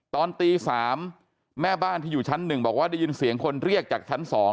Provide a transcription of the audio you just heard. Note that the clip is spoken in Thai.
ตอนตี๓แม่บ้านที่อยู่ชั้น๑บอกว่าได้ยินเสียงคนเรียกจากชั้น๒